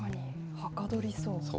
はかどりそう。